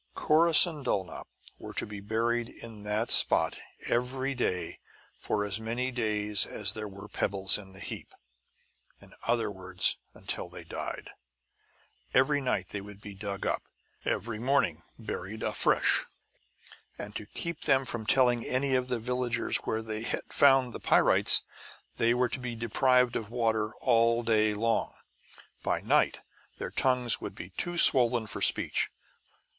Corrus and Dulnop were to be buried in that spot every day for as many days as there were pebbles in the heap; in other words, until they died. Every night they would be dug up, and every morning buried afresh. And to keep them from telling any of the villagers where they had found the pyrites, they were to be deprived of water all day long. By night their tongues would be too swollen for speech.